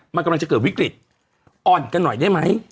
มันกำลังจะเกิดวิกฤตอ่อนกันหน่อยได้ไหม